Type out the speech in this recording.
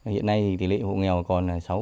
hiện nay thì tỷ lệ hộ nghèo có